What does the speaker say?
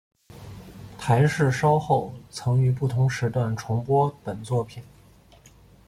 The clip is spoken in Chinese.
台视稍后曾于不同时段重播本作品。